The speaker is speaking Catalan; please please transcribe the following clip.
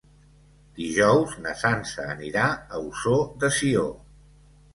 Dijous na Sança anirà a Ossó de Sió.